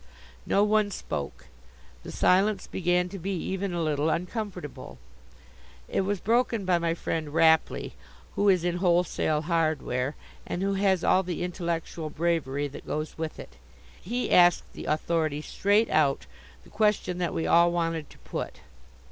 No one spoke. The silence began to be even a little uncomfortable. It was broken by my friend Rapley, who is in wholesale hardware and who has all the intellectual bravery that goes with it. He asked the Authority straight out the question that we all wanted to put.